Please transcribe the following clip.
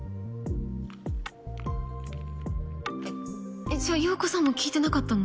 えっえっじゃあ洋子さんも聞いてなかったの？